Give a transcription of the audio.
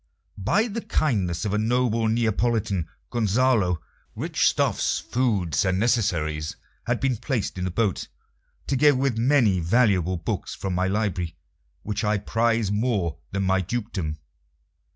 By the kindness of a noble Neapolitan, Gonzalo, rich stuffs, foods, and necessaries, had been placed in the boat, together with many valuable books from my library, which I prize more than my dukedom.